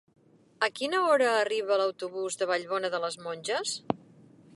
A quina hora arriba l'autobús de Vallbona de les Monges?